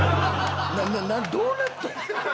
どうなっとるん？